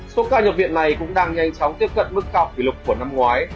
số ca nhập viện này cũng đang nhanh chóng tiếp cận mức cao kỷ lục của năm ngoái